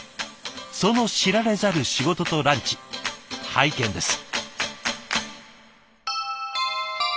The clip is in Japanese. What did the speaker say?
その知られざる仕事とランチ拝見です。